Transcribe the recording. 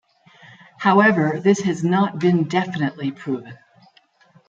However, this has not been definitely proven.